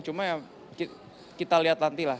cuma ya kita lihat nanti lah